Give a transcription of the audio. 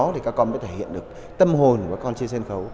thì các con mới thể hiện được tâm hồn của các con trên sân khấu